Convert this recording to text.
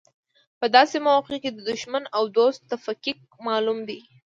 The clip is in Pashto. په داسې مواقعو کې د دوښمن او دوست تفکیک معلوم دی.